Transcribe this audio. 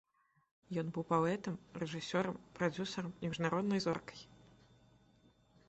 Ён быў паэтам, рэжысёрам, прадзюсарам і міжнароднай зоркай.